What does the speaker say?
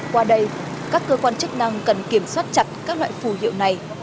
qua đây các cơ quan chức năng cần kiểm soát chặt các loại phù hiệu này